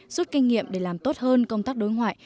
rút kinh nghiệm để làm tốt hơn công tác đối ngoại